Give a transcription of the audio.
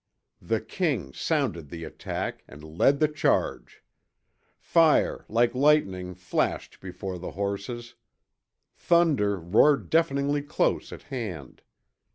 The king sounded the attack, and led the charge. Fire, like lightning, flashed before the horses. Thunder roared deafeningly close at hand.